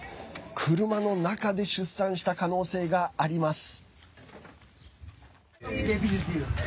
車の中で出産した可能性があります。